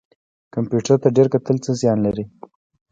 کمپیوټر ته ډیر کتل څه زیان لري؟